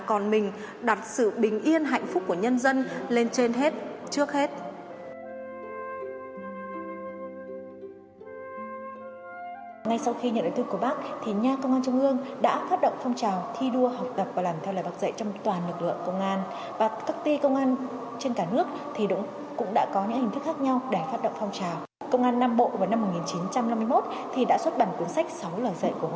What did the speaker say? công an nam bộ vào năm một nghìn chín trăm năm mươi một đã xuất bản cuốn sách sáu lời dạy của hồ chủ tịch